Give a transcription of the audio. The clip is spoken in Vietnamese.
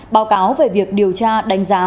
báo cáo về việc điều tra đánh giá